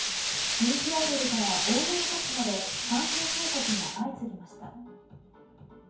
人気アイドルから大物歌手まで感染報告が相次ぎました。